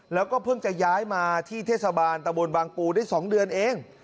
แล้วก็เพิ่งจะย้ายมาที่เทศบาลตะบนบางปูได้๒เดือนเอง